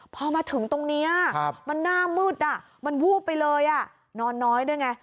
พอมาถึงตรงนี้มันหน้ามืดมันวูบไปเลยนอนน้อยด้วยไง